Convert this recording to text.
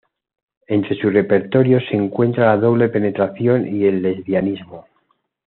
Entre su repertorio se encuentra la doble penetración y el lesbianismo.